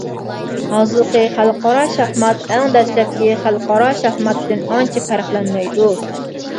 ھازىرقى خەلقئارا شاھمات ئەڭ دەسلەپكى خەلقئارا شاھماتتىن ئانچە پەرقلەنمەيدۇ.